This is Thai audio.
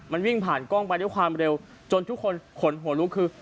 มันวิ่งผ่านกล้องไปด้วยความเร็วจนทุกคนขนหัวลุกคือ